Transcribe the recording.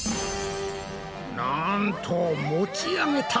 なんと持ち上げた！